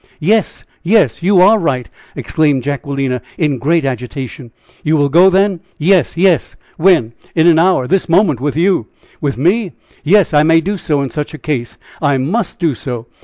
"Yes! yes! you are right," exclaimed Jacquelina, in great agitation. "You will go, then?" "Yes! yes." "When?" "In an hour this moment with you." "With me?" "Yes! I may do so in such a case. I must do so!